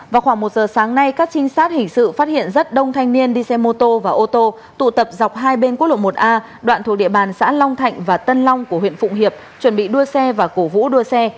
vào khoảng một giờ sáng nay các trinh sát hình sự phát hiện rất đông thanh niên đi xe mô tô và ô tô tụ tập dọc hai bên quốc lộ một a đoạn thuộc địa bàn xã long thạnh và tân long của huyện phụng hiệp chuẩn bị đua xe và cổ vũ đua xe